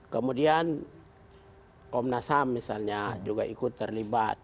kemudian komnas ham misalnya juga ikut terlibat